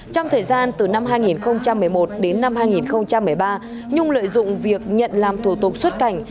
trong thời gian từ năm hai nghìn một mươi một đến năm hai nghìn một mươi ba nhung lợi dụng việc nhận làm thủ tục xuất cảnh